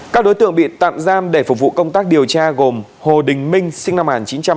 các đối tượng bị tạm giam để phục vụ công tác điều tra gồm hồ đình minh sinh năm một nghìn chín trăm tám mươi